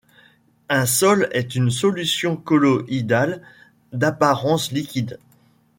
Un sol est une solution colloïdale d'apparence liquide.